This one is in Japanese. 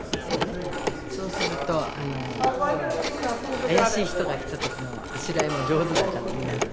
そうするともう怪しい人が来た時のあしらいも上手だから皆さん。